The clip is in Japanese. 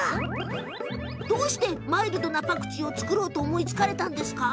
どうして、マイルドなパクチーを作ろうと思いついたのか？